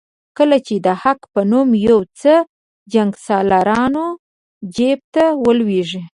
کله چې د حق په نوم یو څه جنګسالارانو جیب ته ولوېږي.